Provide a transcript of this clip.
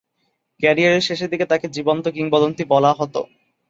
ক্যারিয়ারের শেষের দিকে তাকে "জীবন্ত কিংবদন্তি" বলা হতো।